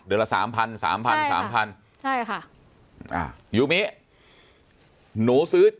เดือนละสามพันสามพันสามพันใช่ค่ะอ่ายูมิหนูซื้อ